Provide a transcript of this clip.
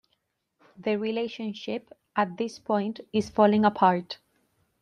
The relationship, at this point, is falling apart.